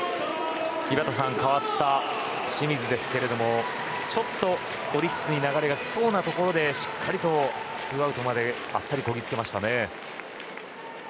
井端さん、代わった清水ですがちょっとオリックスに流れが来そうなところでしっかりとツーアウトまであっさりこぎつけましたね。